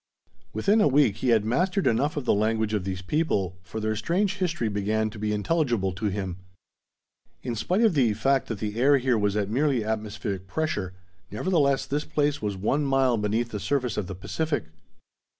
Within a week he had mastered enough of the language of these people, for their strange history began to be intelligible to him. In spite of the fact that the air here was at merely atmospheric pressure, nevertheless this place was one mile beneath the surface of the Pacific.